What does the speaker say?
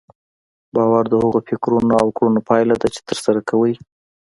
باور د هغو فکرونو او کړنو پايله ده چې ترسره کوئ.